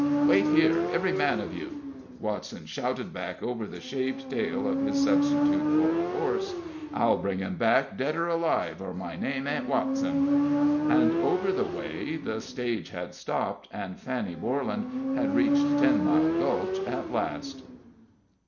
"Wait here, every man of you!" Watson shouted back over the shaved tail of his substitute for a horse. "I'll bring him back, dead or alive, or my name ain't Watson!" And over the way the stage had stopped, and Fanny Borlan had reached Ten Mile Gulch at last.